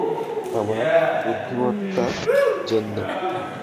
আমার বুদ্ধিমত্তার জন্য?